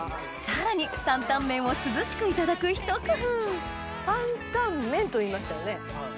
さらに担々麺を涼しくいただくひと工夫担々麺と言いましたよね？